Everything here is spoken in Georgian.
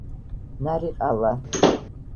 ნარიყალა